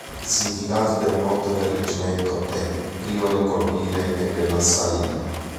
Il significato del motto del Reggimento è: "Primo nel colpire e nell'assalire".